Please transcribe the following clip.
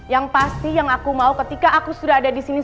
yang pasti yang aku mau ketika aku sudah ada di sini